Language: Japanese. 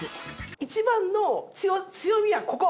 一番の強みはここ。